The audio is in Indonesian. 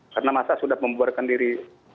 karena masa sudah membuarkan diri